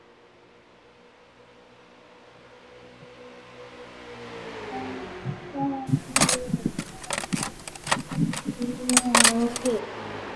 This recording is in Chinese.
卡恰林农村居民点是俄罗斯联邦伏尔加格勒州苏罗维基诺区所属的一个农村居民点。